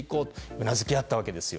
うなずき合ったわけですよ。